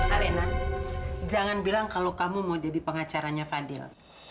alenan jangan bilang kalau kamu mau jadi pengacaranya fadil